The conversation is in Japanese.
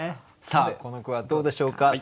さあこの句はどうでしょうか？